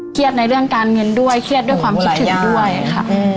ในเรื่องการเงินด้วยเครียดด้วยความคิดถึงด้วยค่ะ